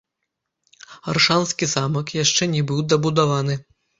Аршанскі замак яшчэ не быў дабудаваны.